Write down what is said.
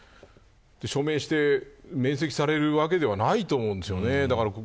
署名して免責されるわけではないと思うんですよね。